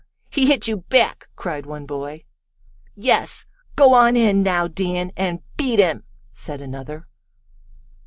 He hit you back!" cried one boy. "Yes, go on in, now, Dan, and beat him!" said another.